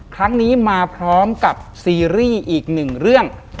ครั้งนี้มาพร้อมกับซีรีส์อีกหนึ่งเรื่อง